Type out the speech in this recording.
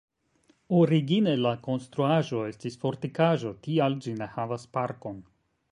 Origine la konstruaĵo estis fortikaĵo, tial ĝi ne havas parkon.